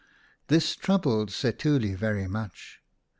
This troubled Setuli very much.